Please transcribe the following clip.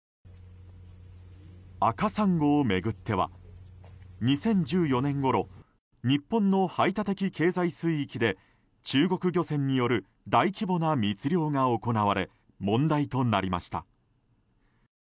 赤サンゴを巡っては２０１４年ごろ日本の排他的経済水域で中国漁船による大規模な密漁が行われ問題となりました。